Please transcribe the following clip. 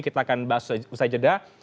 kita akan bahas usai jeda